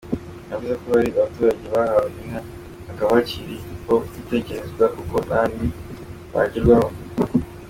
Yavuze ko hari abaturage bahawe inka, hakaba hakiri no gutekerezwa uko n’abandi bagerwaho.